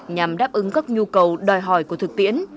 nhằm đáp ứng các nhu cầu đòi hỏi của thực tiễn